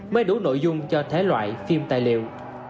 mới đủ nội dung cho thế loại phim tài liệu